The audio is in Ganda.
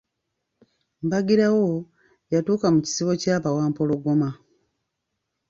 Mbagirawo, yatuuka mu kisibo kya bawampologoma.